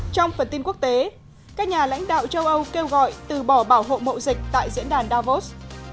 trong phần tin quốc tế các nhà lãnh đạo châu âu kêu gọi từ bỏ bảo hộ mậu dịch tại diễn đàn davos